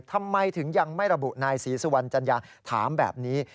ทำไมถึงยังไม่ระบุนายศรีสุวรรณจัญญาถามแบบนี้